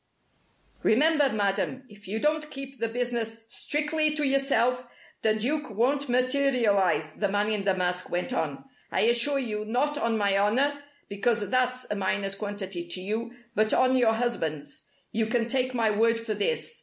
"Remember, Madam, if you don't keep this business strictly to yourself, the Duke won't materialize," the man in the mask went on. "I assure you not on my honour, because that's a minus quantity to you, but on your husband's you can take my word for this.